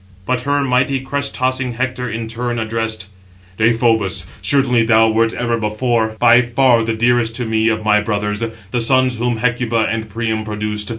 But her mighty crest tossing Hector in turn addressed: "Deïphobus, surely thou wert ever before by far the dearest to me of my brothers, the sons whom Hecuba and Priam produced.